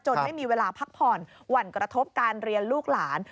ไม่มีเวลาพักผ่อนหวั่นกระทบการเรียนลูกหลาน